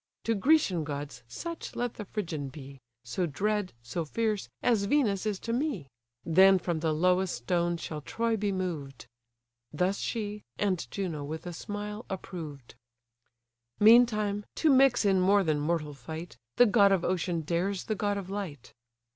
To Grecian gods such let the Phrygian be, So dread, so fierce, as Venus is to me; Then from the lowest stone shall Troy be moved." Thus she, and Juno with a smile approved. Meantime, to mix in more than mortal fight, The god of ocean dares the god of light.